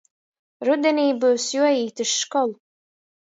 Rudinī byus juoīt iz školu.